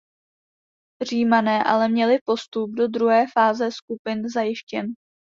Římané ale měli postup do druhé fáze skupin zajištěn.